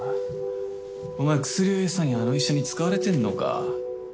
お前薬を餌にあの医者に使われてんのか。